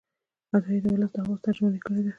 عطايي د ولس د آواز ترجماني کړې ده.